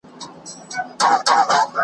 موږ که تور یو که بدرنګه یوکارګان یو .